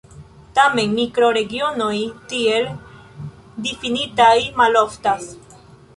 Tamen, mikroregionoj tiel difinitaj maloftas.